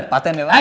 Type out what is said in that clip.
paten ya pak